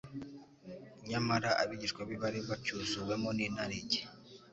nyamara abigishwa be bari bacyuzuwemo n'inarijye